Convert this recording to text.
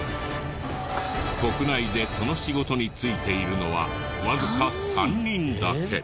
国内でその仕事に就いているのはわずか３人だけ。